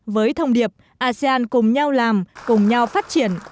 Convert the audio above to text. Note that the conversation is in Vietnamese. với thông điệp asean cùng nhau làm cùng nhau phát triển